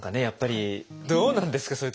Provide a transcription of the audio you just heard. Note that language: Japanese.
やっぱりどうなんですか？